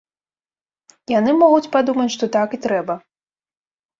Яны могуць падумаць, што так і трэба.